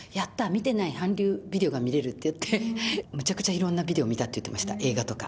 見てない韓流ビデオが見れるっていって、めちゃくちゃいろんなビデオ見たって言ってました、映画とか。